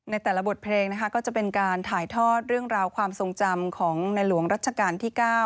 ในแต่ละบทเพลงนะคะก็จะเป็นการถ่ายทอดเรื่องราวความทรงจำของในหลวงรัชกาลที่๙